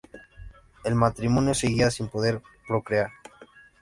El matrimonio seguía sin poder procrear.